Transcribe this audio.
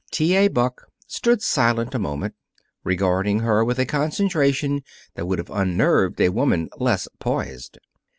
T. A. Buck stood silent a moment, regarding her with a concentration that would have unnerved a woman less poised.